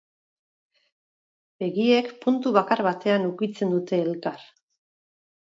Begiek puntu bakar batean ukitzen dute elkar.